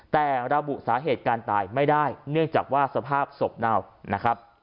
แต่ระบุสาเหตุการตายไม่ได้เนื่องจากว่าสภาพศพเน่านะครับ